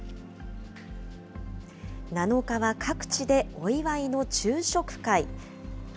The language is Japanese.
７日は各地でお祝いの昼食会。